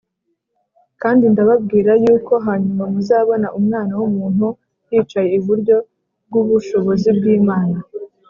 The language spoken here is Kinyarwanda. kandi ndababwira yuko hanyuma muzabona Umwana w’umuntu yicaye iburyo bw’ubushobozi bw’Imana